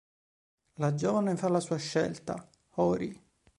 La giovane fa la sua scelta: Hori.